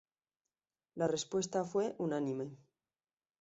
La respuesta fue unánime.